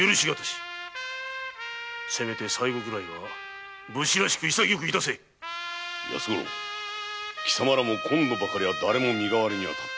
せめて最後ぐらいは武士らしく潔く致せ安五郎今度ばかりはだれも身代わりには立ってくれまい。